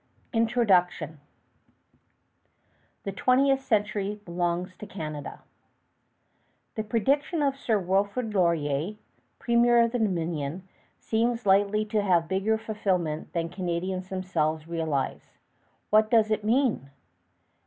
{v} INTRODUCTION "The Twentieth century belongs to Canada." The prediction of Sir Wilfrid Laurier, Premier of the Dominion, seems likely to have bigger fulfillment than Canadians themselves realize. What does it mean?